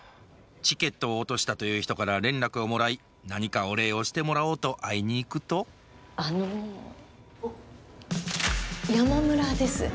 チケットを落としたという人から連絡をもらい何かお礼をしてもらおうと会いに行くとあの山村です。